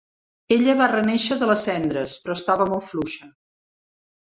Ella va renéixer de les cendres, però estava molt fluixa.